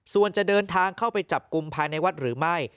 ส่วนจะเดินทางเข้าไปจับกลุ่มภายในวัดหรือไม่